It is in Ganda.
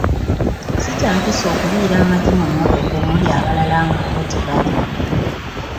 Ssi kya mpisa okuliira amagi mu mmotoka omuli abalala nga bo tebalya.